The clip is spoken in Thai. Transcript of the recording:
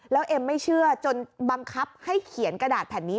แล้วเอ็มไม่เชื่อจนบังคับให้เขียนกระดาษแผ่นนี้